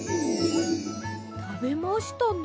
たべましたね。